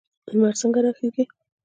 لمر څنګه راخیږي؟